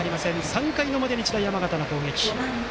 ３回の表、日大山形の攻撃。